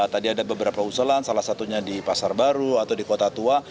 tadi ada beberapa usulan salah satunya di pasar baru atau di kota tua